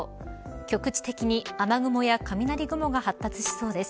局地的に雨雲や雷雲が発達しそうです。